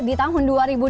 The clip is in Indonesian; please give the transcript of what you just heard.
di tahun dua ribu dua puluh